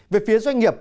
về phía doanh nghiệp